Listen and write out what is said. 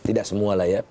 tidak semua lah ya